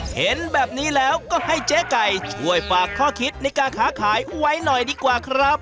เห็นแบบนี้แล้วก็ให้เจ๊ไก่ช่วยฝากข้อคิดในการค้าขายไว้หน่อยดีกว่าครับ